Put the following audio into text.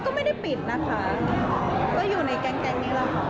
ก็ไม่ได้ปิดนะคะก็อยู่ในแก๊งนี้แหละค่ะ